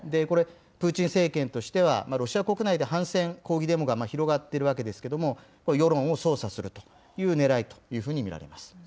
これ、プーチン政権としては、ロシア国内で反戦抗議デモが広がっているわけですけれども、世論を操作するというねらいというふうに見られます。